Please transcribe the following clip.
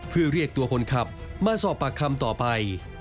เพื่อเรียกตัวคนขับมาสอบปากคำต่อไป